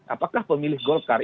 apakah pemilih golkar